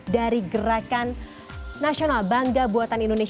dari gerakan nasional bangga buatan indonesia